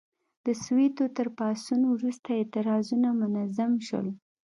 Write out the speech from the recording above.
د سووېتو تر پاڅون وروسته اعتراضونه منظم شول.